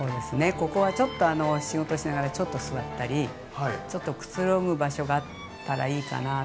ここはちょっとあの仕事しながらちょっと座ったりちょっとくつろぐ場所があったらいいかなと思って思い切って。